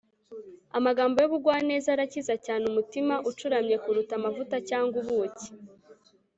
amagambo y'ubugwaneza arakiza cyane umutima ucuramye kuruta amavuta cyangwa ubuki